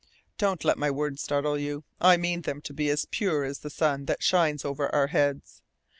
Don't let my words startle you. I mean them to be as pure as the sun that shines over our heads.